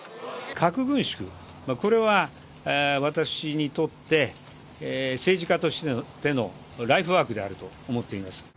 核軍縮これは私にとって政治家としてのライフワークであると思っています。